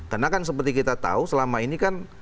karena kan seperti kita tahu selama ini kan